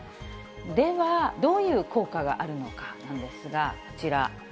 では、どういう効果があるのかなんですが、こちら。